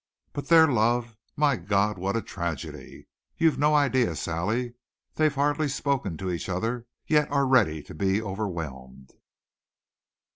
But their love! My God, what a tragedy! You've no idea, Sally. They've hardly spoken to each other, yet are ready to be overwhelmed."